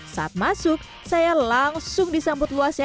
saat masuk saya langsung disambut luas yang terbaik